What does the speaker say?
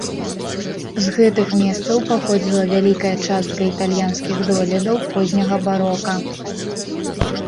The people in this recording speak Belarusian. З гэтых месцаў паходзіла вялікая частка італьянскіх дойлідаў позняга барока.